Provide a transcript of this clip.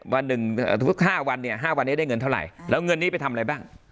วันหนึ่งสมมุติ๕วันเนี่ย๕วันนี้ได้เงินเท่าไหร่แล้วเงินนี้ไปทำอะไรบ้าง